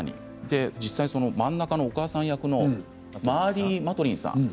実際に、真ん中のお母さん役のマーリー・マトリンさん